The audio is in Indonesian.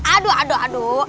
aduh aduh aduh